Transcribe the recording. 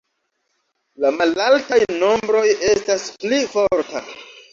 La malaltaj nombroj estas pli forta.